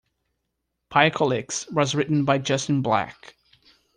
Pycalculix was written by Justin Black.